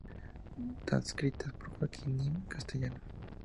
Transcritas por Joaquín Nin Castellanos.